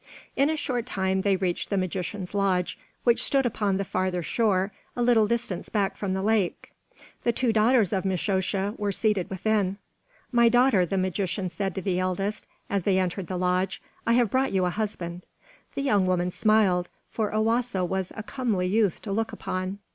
In a short time they reached the magician's lodge, which stood upon the further shore a little distance back from the lake. The two daughters of Mishosha were seated within. "My daughter," the magician said to the eldest, as they entered the lodge, "I have brought you a husband." The young woman smiled; for Owasso was a comely youth to look upon.